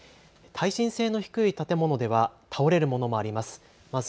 耐震性の低い建物では倒れるものもあります。